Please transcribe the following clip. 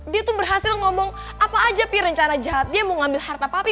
dia tuh berhasil ngomong apa aja rencana jahatnya mau ngambil harta papi